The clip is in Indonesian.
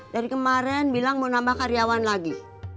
dari kemarin bilang mau nambah karyawan lagi